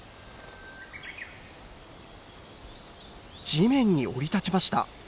地面に降り立ちました。